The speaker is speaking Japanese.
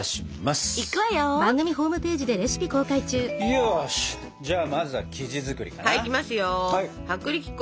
よしじゃあまずは生地作りかな。